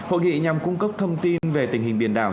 hội nghị nhằm cung cấp thông tin về tình hình biển đảo